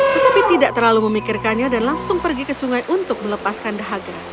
tetapi tidak terlalu memikirkannya dan langsung pergi ke sungai untuk melepaskan dahaga